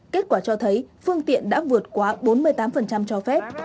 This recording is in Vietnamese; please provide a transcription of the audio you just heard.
kết quả cho thấy phương tiện đã vượt quá bốn mươi tám cho phép